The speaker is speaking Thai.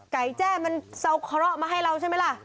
ไก่แจ้มันเศร้าโคร่มาให้เราใช่ไม่ล่ะ